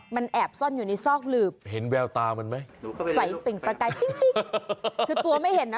มันแอบซ่อนอยู่ในซอกหลืบเห็นแววตามันไหมใส่ติ่งตะกายปิ๊กคือตัวไม่เห็นนะ